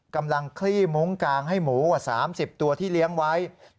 คลี่มุ้งกางให้หมูกว่า๓๐ตัวที่เลี้ยงไว้